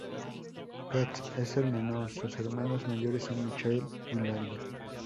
Katz es el menor, sus hermanos mayores son Michael y Lali.